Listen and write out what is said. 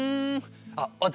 あっ私？